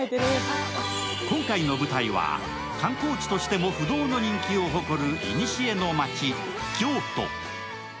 今回の舞台は観光地としても不動の人気を誇るいにしえの街・京都。